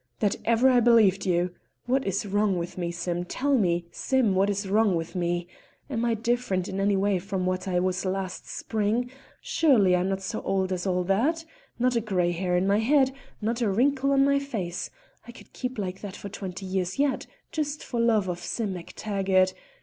That ever I believed you! What is wrong with me, Sim? tell me, Sim! What is wrong with me? Am I different in any way from what I was last spring? Surely I'm not so old as all that; not a grey hair in my head, not a wrinkle on my face. I could keep like that for twenty years yet, just for love of Sim MacTaggart.